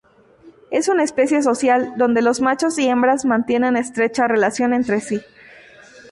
Es una especie social donde los machos y hembras mantienen estrecha relación entre sí.